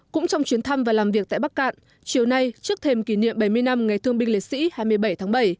cũng trong chuyến thăm và làm việc tại bắc cạn chiều nay trước thềm kỷ niệm bảy mươi năm ngày thương binh lễ sĩ hai mươi bảy tháng bảy